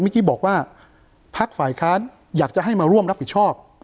กี้บอกว่าพักฝ่ายค้านอยากจะให้มาร่วมรับผิดชอบ